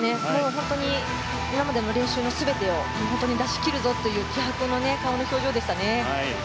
今までの練習の全てを本当に出し切るぞという気迫の表情でしたね。